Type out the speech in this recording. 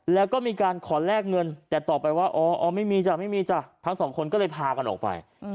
แล้วก็มีการขอแลกเงินแต่ต่อไปไม่มีจ๋าทั้ง๒คนก็เลยพากันออกไป